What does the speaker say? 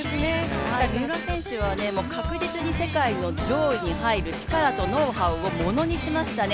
三浦選手は確実に世界の上位に入る力とノウハウをものにしましたね。